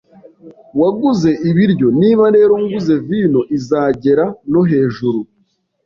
Waguze ibiryo, niba rero nguze vino izagera no hejuru.